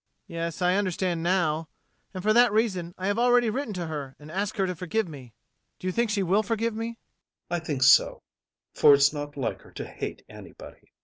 Yes, I understand now And for that reason I have already written to her and asked her to forgive me Do you think she will forgive me? ADOLPHE. I think so, for it's not like her to hate anybody.